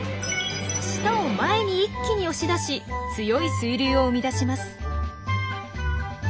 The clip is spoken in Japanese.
舌を前に一気に押し出し強い水流を生み出します。